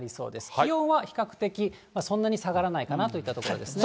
気温は比較的、そんなに下がらないかなといったところですね。